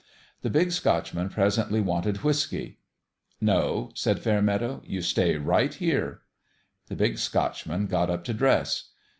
The Big Scotchman presently wanted whiskey. " No," said Fairmeadow ;" you stay right here." The Big Scotchman got up to dress.